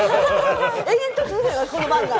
延々と続くのこの番が。